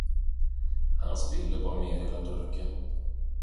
Han spiller bara ner hela duken.